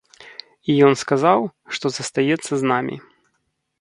І ён сказаў, што застаецца з намі.